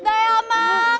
eddeh ya emang